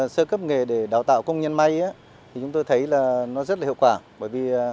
sơ cấp nghề để đào tạo công nhân may thì chúng tôi thấy là nó rất là hiệu quả bởi vì